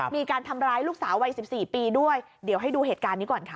มีการทำร้ายลูกสาววัย๑๔ปีด้วยเดี๋ยวให้ดูเหตุการณ์นี้ก่อนค่ะ